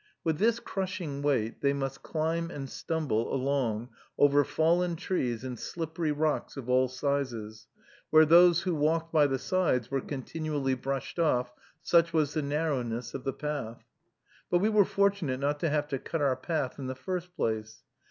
With this crushing weight they must climb and stumble along over fallen trees and slippery rocks of all sizes, where those who walked by the sides were continually brushed off, such was the narrowness of the path. But we were fortunate not to have to cut our path in the first place.